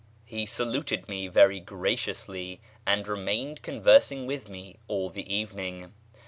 He saluted me very graciously, and [page xxxv] remained conversing with me all the evening.